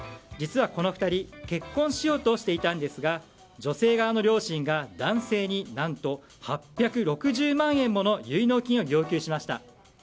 実はこの２人結婚しようとしていたんですが女性側の両親が男性に何と８６０万円もの結納金を要求しました。